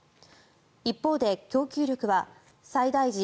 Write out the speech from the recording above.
一方で供給力は最大時